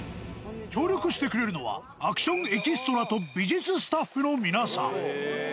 協力してくれるのは、アクションエキストラと美術スタッフの皆さん。